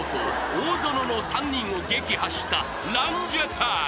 大園の３人を撃破したランジャタイ］